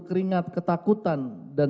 keringat ketakutan dan